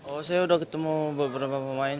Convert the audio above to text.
oh saya udah ketemu beberapa pemain